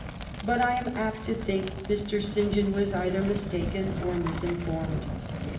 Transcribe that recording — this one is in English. But, I am apt to think, Mr. St. John was either mis taken, or misinformed.